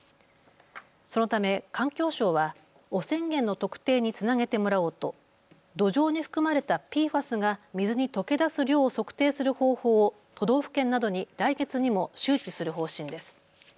そのため環境省は汚染源の特定につなげてもらおうと土壌に含まれたＰＦＡＳが水に溶け出す量を測定する方法を都道府県などに来月にも周知する方針です。